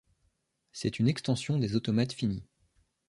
C'est une extension des automates finis.